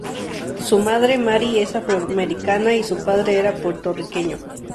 Su madre, Mary, es afroamericana, y su padre era puertorriqueño.